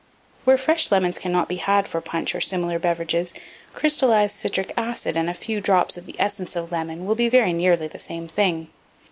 Where fresh lemons cannot be had for punch or similar beverages, crystallized citric acid and a few drops of the essence of lemon will be very nearly the same thing.